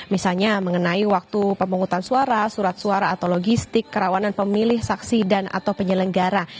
misalnya mengenai waktu pemungutan suara surat suara atau logistik kerawanan pemilih saksi dan atau penyelenggara